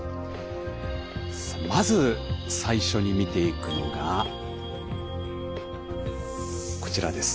まず最初に見ていくのがこちらです。